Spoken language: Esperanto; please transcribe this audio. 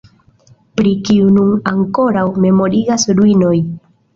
Pri kiu nun ankoraŭ memorigas ruinoj.